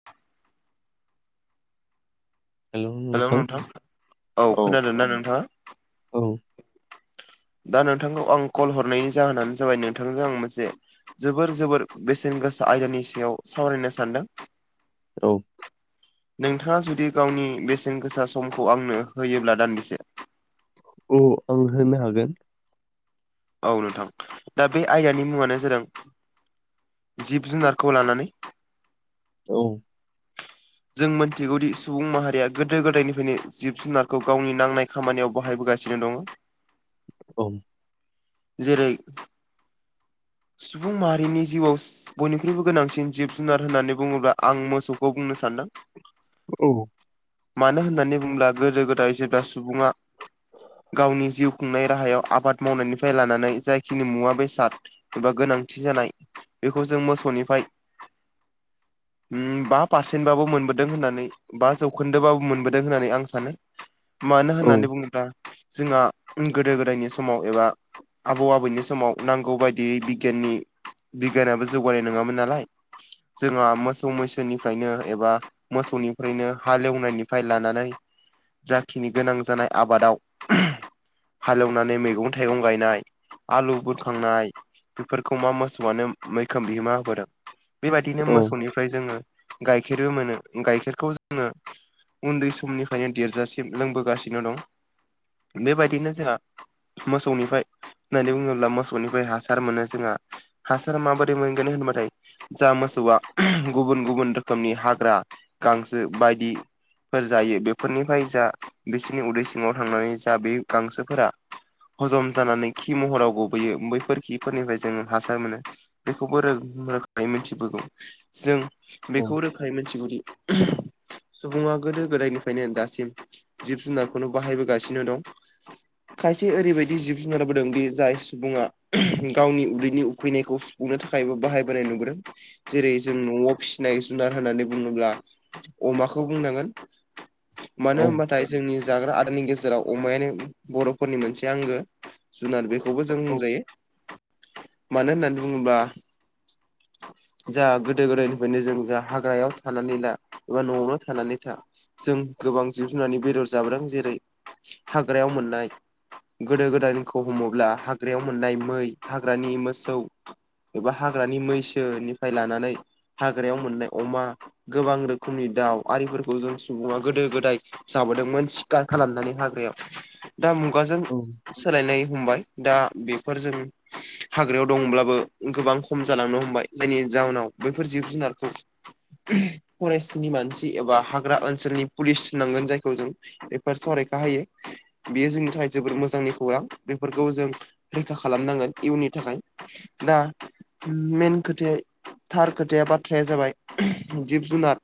[unintelligible] Hello नोंथां औ खोनादों ना नोंथाङा। औ दा नोंथांखौ आं कल हरनायनि जाहोनानो जाबाय नोंथांजों आं मोनसे जोबोर जोबोर बेसेन गोसा आयदानि सायाव सावरायनो सानदों। औ नोंथाङा जुदि गावनि बेसेन गोसा समखौ आंनो होयोब्ला दान्दिसे औ आं होनो हागोन औ नोंथां दा बे आयदानि मुङानो जादों जिब जुनारखौ लानानै औ जों मिथिगौदि सुबुं माहारिया गोदो गोदायनिफ्रायनो जिब जुनारखौ गावनि नांनाय खामानियाव बाहायबोगासिनो दङ। [unintelligible] औ। जेरै सुबुं माहारिनि जिउआव बयनिख्रुइबो गोनांसिन जिब जुनार होननानै बुङोब्ला आं मोसौखौ बुंनो सानो [unintelligible] औ मानो होननानै बुब्ला गोदो गोदाय जेब्ला सुबुङा गावनि जिउ खुंनाय राहायाव आबाद मावनायनिफ्राय लानानै जायखिनि मुवा बेसाद एबा गोनांथि जानाय बेखौ जों मोसौनिफ्राय बा पास होनबाबो मोनबोदों होननानै बा जौखोन्दोबाबो मोनबोदों होननानै आं सानो मानो औ होननानै बुङोब्ला जोंहा गोदो गोदायनि समाव एबा आबौ आबैनि समाव नांगौ बायदियै बिगियाननि बिगियानाबो जौगानाय नङामोन नालाय जोंहा मोसौ मैसोनिफ्रायनो एबा मोसौनिफ्रायनो हालेवनायनिफ्राय लानानै जाखिनि गोनां जानाय आबादाव हालेवनानै मैगं थाइगं गायनाय आलु बुरखांनाय बेफोरखौ मा मोसौआनो मैखोम बिहोमा होबोदों बेबायदिनो औ मोसौनिफ्राय जोङो गाइखेरबो मोनो गाइखेरखौ जोङो उन्दै समनिफ्रायनो देरजासिम लोंबोगासिनो दं बेबायदिनो जोंहा मोसौनिफ्राय होननानै बुङोब्ला मोसौनिफ्राय हासार मोनो जोंहा हासार माबोरै मोनगोन होनबाथाय जा मोसौआ गुबुन गुबुन रोखोमनि हाग्रा गांसो बायदि फोर जायो बेफोरनिफ्राय जा बिसोरनि उदै सिङाव थांनानै जा बे गांसोफोरा हजम जानानै खि महराव गबोैयो बैफोर खिफोरनिफ्राय जोङ हासार मोनो। बेखौबो रोखायै मिथिबोगौ जों औ बेखौ रोखायै मिथिगौदि सुबुङा गोदो गोदायनिफ्रायनो दासिम जिब जुनारखौनो बाहायबोगासिनो दं। खायसे ओरैबायदि जिब खुनहारबोदोंदि जाय सुबुङा गावनि उदैनि उखैनायखौ गुंनो थाखायबो बाहायबोनाय नुबोदों जेरै जों न'आव फिसि सिनाय जुनार होननानै बुङोब्ला अमाखौ बुंनांगोन मानो औ होनबा नाथाय जोंनि जाग्रा आदारनि गेजेराव अमायानो बर'फोरनि मोनसे आंगो जुनार बेखौ खौबो जों औ बुंजायो। मानो होननानै बुङोब्ला जाहा गोदो-गोदायनि बेनो जों जा हाग्रायाव थानानै ला एबा न'आवनो थानानै था जों गोबां जिब जुनारनि बेदर जाबोदों जेरै हाग्रायाव मोननाय गोदो-गोदायखौ हमोब्ला हाग्रायाव मोननाय मै हाग्रानि मोसौ एबा हाग्रानि मैसोनिफ्राय लानानै हाग्रायाव मोननाय अमा गोबां रोखोमनि दाउ आरिफोरखौ जों सुबुङा गोदो-गोदाय जाबोदोंमोन सिखार खालामनानै हाग्रायाव दा मुगाजों सोलायनाय हमबाय दा बेफोरजों हाग्रायाव दंब्लाबो गोबां खम जालांनो हमबाय जायनि जाहोनाव बैफोर जिब-जुनारखौ फरेस्टनि मानसि एबा हाग्रा ओनसोलनि पुलिस होनांगोन जायखौ जों बेफोर सरैखा हायो। बेयो जोंनि थाखाय जोबोद मोजांनि खौरां बेफोरखौ जों रैखा खालामनांगोन इयुननि थाखाय दा मेन खोथाया थार खोथाया बाथ्राया जाबाय जिब-जुनार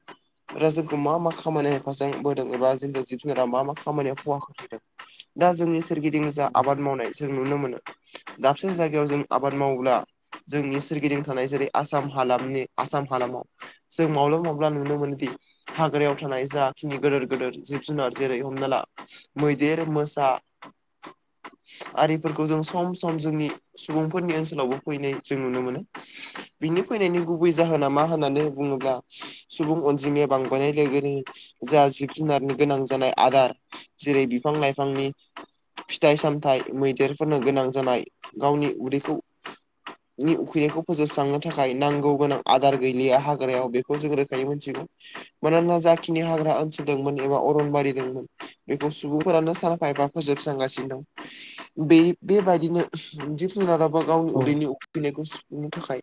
राज्योखौ मा मा खामानियाव हेफाजाब होबोदों एबा जोंनि जिब जुनारा मा मा खामानियाव ख'हा होबोदों। दा जोंनि सोरगिदिं जा आबाद मावनाय जों नुनो मोनो दाबसे जायगायाव जों आबाद मावोब्ला जोंनि सोरगिदिं थानाय जेरै आसाम हालामनि आसाम हालामाव जों माब्ला माब्ला नुनो मोनोदि हाग्रायाव थानाय जाखिनि गिदोर गिदोर जिब जुनार जेरै हमना ला मैदेर मोसा आरिफोरखौ जों सम सम जोंनि सुबुंफोरनि ओनसोलावबो फैनाय जों नुनो मोनो बिनि फैनायनि गु गुबै जाहोन नामा होननानै बुङोब्ला सुबुं अनजिमाया बांनाय लोगोनि जा जिब जुनारनि गोनां जानाय आदार जेरै बिफां लाइफांनि फिथाइ सामथायाइ मैदेरफोरनो गोनां जानाय गावनि उदैखौ नि उखैनायखौ फोजोबस्रांनो थाखाय नांगौ गोनां आदार गैलिया हाग्रायाव बेखौ जों रोखायै मिथिगौ। मानोना जाखिनि हाग्रा ओनसोल दंमोन एबा अरनबारि दंमोन बेखौ सुबुंफोरानो सानाफा एफा फोजोबस्रांगासिनो दं बे बेबायदिनो जिब जुनार बा गावनि औ उदैनि उखैनायखौ सुफुंनो थाखाय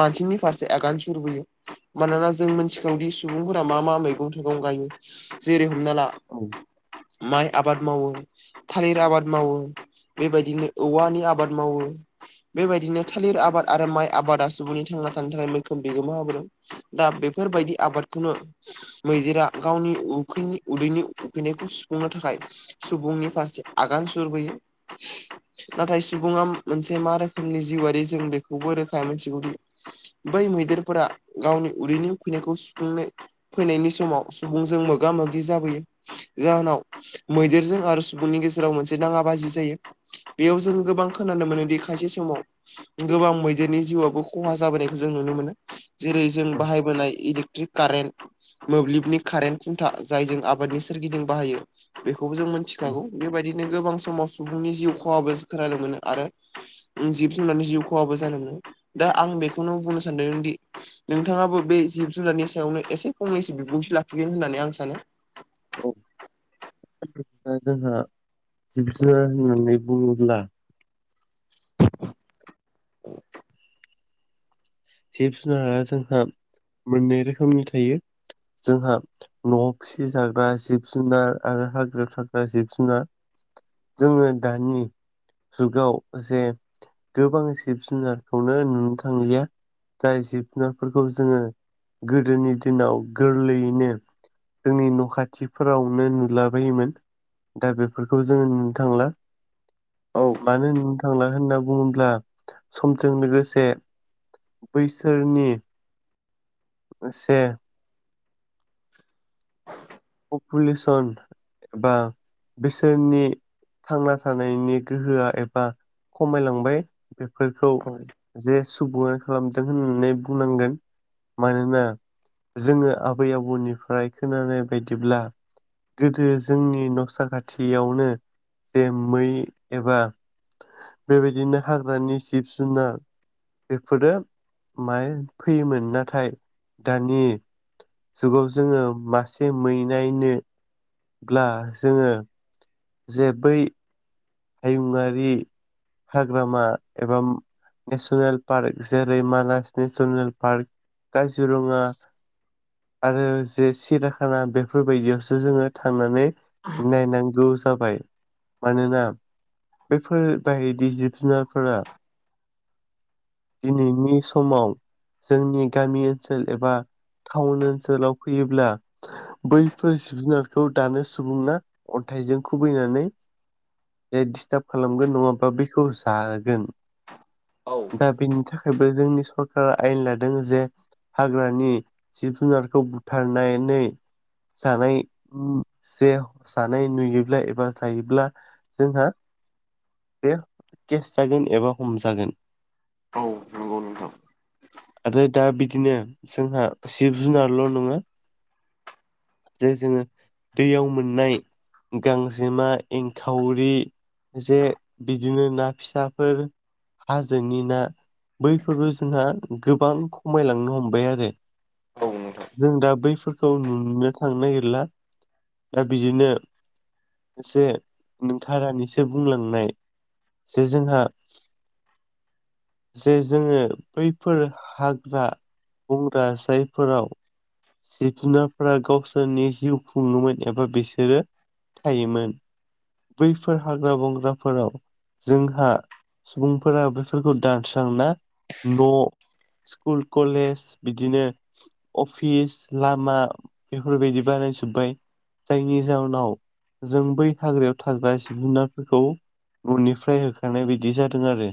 मानसिनि फारसे आगान सुरबोयो। मानोना जों मिथिखौदि सुबुंफोरा मा मा मैगं-थाइगं गायो। जेरै हमना ला माइ आबाद मावो थालिर आबाद मावो बेबायदिनो औवानि आबाद मावो बेबायदिनो थालिर आबाद आरो माइ आबादा सुबुंनि थांना थानायनि थाखाय मैखोम बिगोमा हाबोदों दा बेफोरबायदि आबादखौनो मैदेरा गावनि उखैनि उदैनि उखैनायखौ सुफुंनो थाखाय सुबुंनि फारसे आगान सुरबोयो नाथाय सुबुङा मोनसे मा रोखोमनि जिउआरारि जों बेखौबो रोखाय मोनथिगौदि बै मैदेरफोरा गावनि उदैनि उखैनायखौ सुफुंनो फैनायनि समाव सुबुंजों मोगा मोगि जाबोयो। जाहोनाव मैदेरजों आरो सुबुंनि गेजेराव मोनसे दाङा बाजि जायो। बेयाव जों गोबां खोनानो मोनोदि खायसे समाव गोबां मैदेरनि जिउआबो ख'हा जाबोनायखौ जों नुनो मोनो जेरै जों बाहायबोनाय इलेकट्रिक कारेन्ट मोब्लिबनि कारेन्ट खुन्था जायजों आबादनि सोरगिदिं बाहायो। बेखौबो जों मिथिखागौ औ बेबायदिनो गोबां समाव सुबुंनि जिउ खहाबो खोनानो मोनो आरो जिब जुनारनि जिउ खहाबो जानो मोनो दा आं बेखौनो बुंनो सानदों दि नोंथाङाबो बे जिब जुनारनि सायावनो एसे फंनैसो बिबुंथि लाखिगोन होननानै आं सानो औ दा जोंहा जिब जुनार होननानै बुङोब्ला औ। जिब जुनारा जोंहा मोननै रोखोमनि थायो जोंहा न' फिसि जाग्रा जिब-जुनार आरो हाग्रायाव थाग्रा जिब-जुनार जोङो दानि जुगाव जे गोबां जिब जुनारखौनो नुनो थांलिया। जाय जि जुनारफोरखौ जोङो गोदोनि दिनाव गोरलैयैनो जोंनि न' खाथिफोरावनो नुलाबायोमोन। दा बेफोरखौ जोङो नुनो थांला। औ। मानो होननो थांला होनना बुङोब्ला समजों लोगोसे बैसोरनि एसे औ। पपुलेसन एबा बिसोरनि थांना थानायनि गोहोआ एबा खमायलांबाय बेफोरखौ औ जे सुबनो खालामदों होननानै बुंनांगोन। मानोना जोङो आबै आबौनिफ्राय खोनानाय बायदिब्ला गोदो जोंनि नसा खाथियावनो जे मै एबा बे बायदिनो हाग्रानि जिब-जुनार बेफोरो माय फैयोमोन। नाथाय दानि जुगाव जोङो मासे मैनायनो ब्ला जोङो जे बै हायुंङारि हाग्रामा एबा नेसनेल पार्क। जेरै- मानास नेसनेल पार्क, काजिरङा आरो जे सिरियाखाना। बेफोरबायदियावसो जोङो थांनानै नायनांगौ जाबाय। मानोना बेफोर बायदि जिब-जुनारफोरा दिनैनि समाव जोंनि गामि ओनसोल एबा टाउन ओनसोलाव फैयोब्ला बैफोर जिब-जुनारखौ दानो सुबुङा अन्थाइजों खुबैनानै डिस्टार्ब खालामगोन नङाबा बेखौ जागोन। औ दा बेनि थाखाय थाखायबो जोंनि सरकारा आयेन लादों जे हाग्रानि जिब जुनारखौ बुथारनानै जानाय जे जानाय नुयोब्ला एबा जायोब्ला जोंहा बे केस जागोन एबा हमजागोन। औ नंगौ नंगौ। आरो दा बिदिनो जोंहा जिब जुनारल' नङा जे जोङो दैयाव मोननाय गांजेमा एंखाव खावरि जे बिदिनो ना फिसाफोर हाजोनि ना बैफोरबो जोंहा गोबां खमायलांनो हमबाय आरो। औ नोंथां जों दा बैफोरखौ नुनो थांनो नागिरला दा बिदिनो एसे नोंथाङा दानिसो बुंलांनाय जे जोंहा जे जोङो बैफोर हाग्रा बंग्रा साइडफोराव जिब जुनारफोरा गावसोरनि जिउ खुंङोमोन एबा बिसोरो थायोमोन। बैफोर हाग्रा बंग्राफोराव जोंहा सुबुंफोरा बेफोरखौ दानस्रांना न' स्कुल कलेज बिदिनो अफिस लामा बेफोरबायदि बानायजोब्बाय। जायनि जाहोनाव जों बै हाग्रायाव थाग्रा जिब जुनारफोरखौ न'निफ्राय होखारनाय बायदि जादों आरो।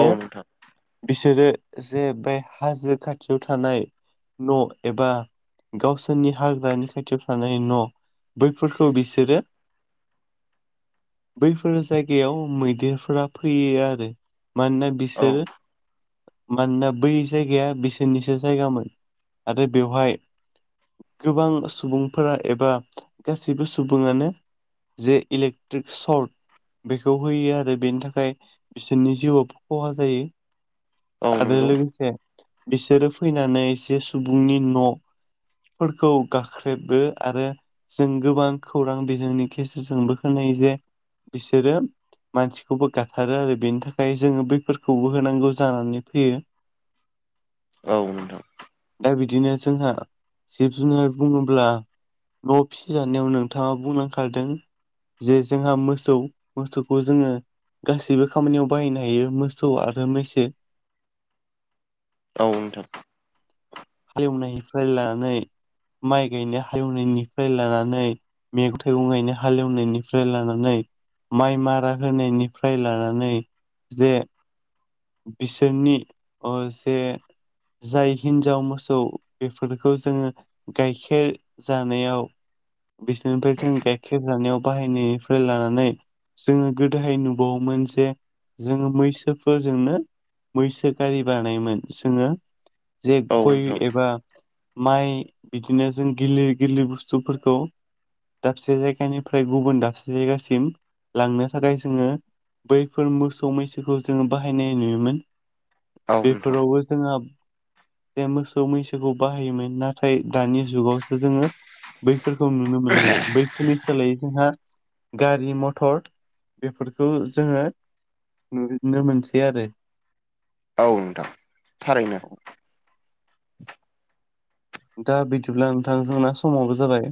औ नोंथां बिसोरो जे बे हाजो खाथियाव थानाय न‌' एबा गावसोरनि हाग्रानि खाथियाव थानाय न' बैफोरखौ बिसोरो बैफोर जायगायाव मैदेरफोरा फैयो आरो मानोना औ बिसोरो मानोना बै जायगाया बिसोरनिसो जायगामोन आरो बेवहाय गोबां सुबुंफोरा एबा गासैबो सुबुङानो जे इलेक्ट्रिक सर्ट बेखौ होयो आरो बेनि थाखाय बिसोरनि जिउआव खहा जायो। औ आरो नंगौ लोगोसे बिसोरो फैनानै एसे सुबुंनि न' फोरखौ गाख्रेबो आरो जों गोबां खौरां बिजोंनि गेजेरजोंबो खोनायो जे बिसोरो मानसिखौबो गाथारो आरो बेनि थाखाय जोङो बैफोरखौबो होनांगौ जानानै फैयो। औ नोंथां। दा बिदिनो जोंहा जिब जुनार बुङोब्ला न' फिसिजानायाव नोंथाङा बुंलांखारदों जे जोंहा मोसौ मोसौखौ जोङो गासैबो खामानियाव बाहायनो हायो मोसौ आरो मैसो। औ नोंथां। हालेवनायनिफ्राय लानानै, माइ गायनो हालेवनायनिफ्राय लानानै मेगं थाइगं गाइनो हालेवनायनिफ्राय लानानै माइ मारा होनायनिफ्राय लानानै जे बिसोरनि ओ जे - जाय हिनजाव मोसौ बेफोरखौ जोङो गाइखेर जानायाव बिसोरनिफ्राय जों गाइखेर जानायाव बाहायनायनिफ्राय लानानै जोङो गोदोहाय नुबावोमोन जे जोङो मैसोफोर जोंनो बैसो गारि बानायमोन। जोङो जे औ गय नोंथां एबा माइ बिदिनो जों गोरलै गोरलै बुस्थुफोरखौ दाबसे जायगानिफ्राय गुबुन दाबसे जायगासिम लांनो थाखाय जोङो बैफोर मोसौ मैसोखौ जोङो बाहायनाय नुयोमोन। औ नोंथां बेफोरावबो जोंहाब बे मोसौ मैसोखौ बाहायोमोन। नाथाय दानि जुगावसो जोङो बैफोरखौ नुनो मोनला। बै फोरनि सोलायै जोंहा गारि मथर बेफोरखौ जोङो नुनो मोनसै आरो। औ नोंथां थारैनो। दा बिदिब्ला नोंथां जोंना समाबो जाबाय।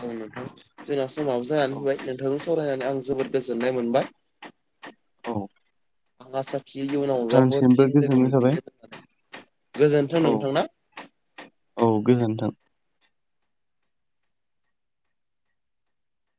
औ नोंथां। जोंना समाबो औ जानानै होबाय नोंथांजों सावरायनानै आं जोबोद गोजोननाय मोनबाय। औ आसा थियो इयुनाव अबावबाफोर नोंथांसिमबो फिन लोगो गोजोननाय थाबाय मोनफिनगोन गोजोनथों औ नोंथांना। औ गोजोन्थों।